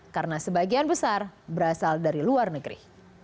karena sebagian besar berasal dari luar negeri